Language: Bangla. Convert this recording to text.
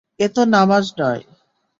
এ তো নামায নয়।